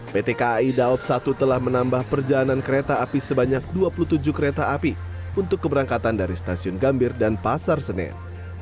pt kai daob satu telah menambah perjalanan kereta api sebanyak dua puluh tujuh kereta api untuk keberangkatan dari stasiun gambir dan pasar senen